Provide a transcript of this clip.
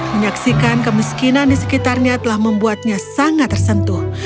menyaksikan kemiskinan di sekitarnya telah membuatnya sangat tersentuh